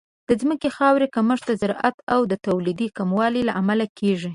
د ځمکې خاورې کمښت د زراعت د تولید کموالی لامل کیږي.